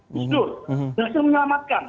gusru dan itu menyelamatkan